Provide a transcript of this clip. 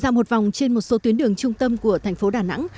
ra một vòng trên một số tuyến đường trung tâm của thành phố đà nẵng